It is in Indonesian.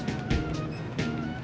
tidak ada yang bisa dihukum